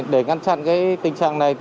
để ngăn chặn tình trạng này